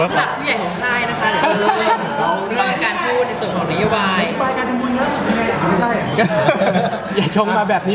พี่เฮียท่านอิงให้วดี่